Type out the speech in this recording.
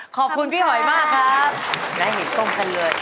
ขอบคุณพี่หอยมากครับและเห็นตรงกันเลย